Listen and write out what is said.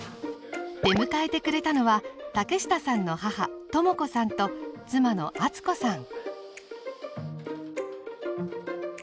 出迎えてくれたのは竹下さんの母始子さんと妻の敦子さん。